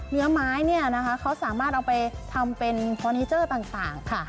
เนื้อไม้เนี่ยนะคะเขาสามารถเอาไปทำเป็นฟอร์นิเจอร์ต่างค่ะ